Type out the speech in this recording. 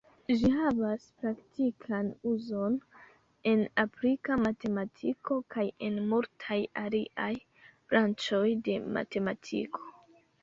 Ĝi havas praktikan uzon en aplika matematiko kaj en multaj aliaj branĉoj de matematiko.